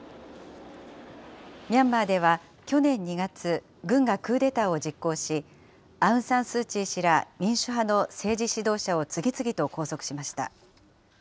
ミャンマーでは去年２月、軍がクーデターを実行し、アウン・サン・スー・チー氏ら民主派の政治指導者を次々と拘束しました。